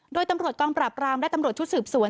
โดยตำรวจกองปราบรามและตำรวจชุดสืบสวน